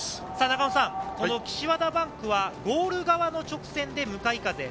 岸和田バンクはゴール側の直線で向かい風。